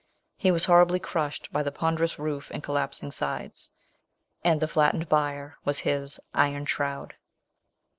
He was horribly crushed by the pon derous roof and collapsing sides — and the flattened bier was his Iron Shroud.